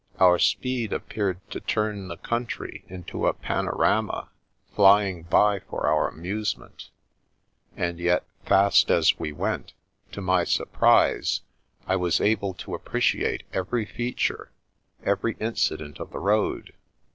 Our speed appeared to turn the country into a panorama flying by for our amusement ; and yet, fast as we went, to my surprise I was able to appreciate every feature, every incident of the road.